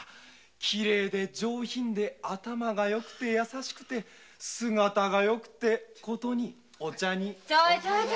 きれいで上品で頭が良くて優しくて姿が良くて琴にお茶に。